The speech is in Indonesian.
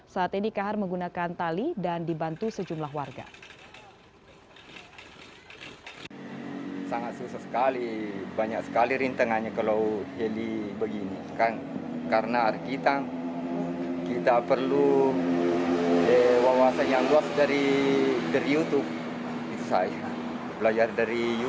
saat ini kahar menggunakan tali dan dibantu sejumlah warga